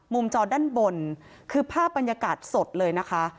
จอด้านบนคือภาพบรรยากาศสดเลยนะคะ